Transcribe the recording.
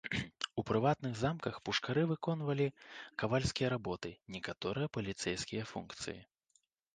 У прыватных замках пушкары выконвалі кавальскія работы, некаторыя паліцэйскія функцыі.